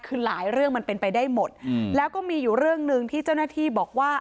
คือหลายเรื่องมันเป็นไปได้หมดแล้วก็มีอยู่เรื่องหนึ่งที่เจ้าหน้าที่บอกว่า